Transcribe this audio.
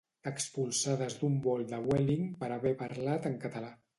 Expulsades d'un vol de Vueling per haver parlat en català